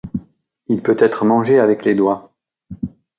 Il peut être mangé avec les doigts.